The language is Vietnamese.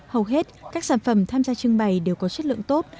hầu hết các sản phẩm tham gia trưng bày đều có chất lượng tốt